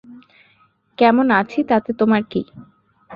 কেমন আছি তাতে তোমার কী?